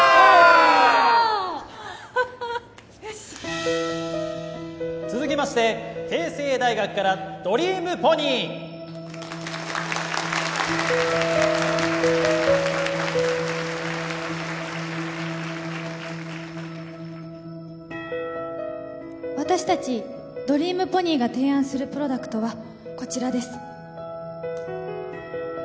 よしっ続きまして慶成大学からドリームポニー私達ドリームポニーが提案するプロダクトはこちらです